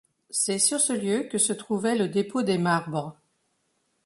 C'est sur ce lieu que se trouvait le dépôt des marbres.